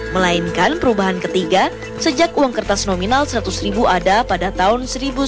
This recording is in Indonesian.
melainkan perubahan ketiga sejak uang kertas nominal seratus ribu ada pada tahun seribu sembilan ratus sembilan puluh